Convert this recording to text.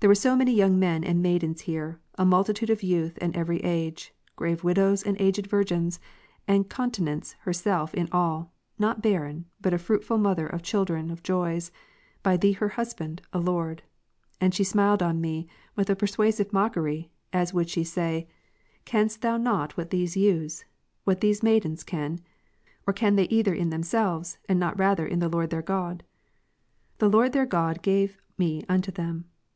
There were so many young men and maidens here, a multitude of youth and every age, grave M'idows and aged virgins ; and Continence herself in all, not barren, but a fruitful mother of children of joys, by Thee her Husband, O Lord. And she smiled on me Avith a persuasive mockery, as would she say, *' Canst not thou what these youths, what these maidens can ? or can they either in themselves, and not rather in the Lord their God ? The Lord their God gave me unto them.